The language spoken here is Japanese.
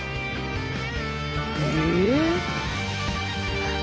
え？